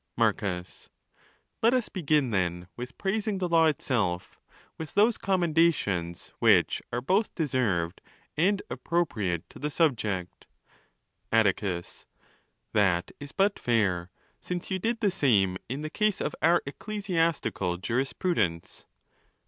Marcus.—Let us begin, then, with praising the law itself, with those commendations which are both deserved and appropriate to the subject. Aiticus.—That is but fair, since you did the same in the case of our ecclesiastical jurisprudence.